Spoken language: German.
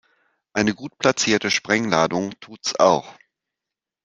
Eine gut platzierte Sprengladung tut's auch.